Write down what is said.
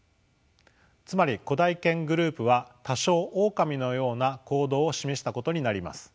つまり古代犬グループは多少オオカミのような行動を示したことになります。